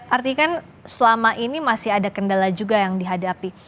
artinya kan selama ini masih ada kendala juga yang dihadapi